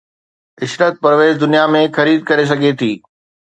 عشرت پرويز دنيا ۾ خريد ڪري سگهي ٿي